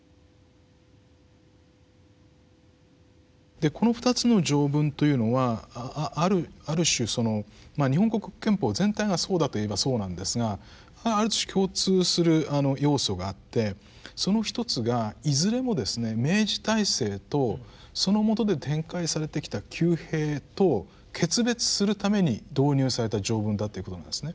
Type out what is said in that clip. でこの２つの条文というのはある種その日本国憲法全体がそうだといえばそうなんですがある種共通する要素があってそのひとつがいずれもですね明治体制とそのもとで展開されてきた旧弊と決別するために導入された条文だということなんですね。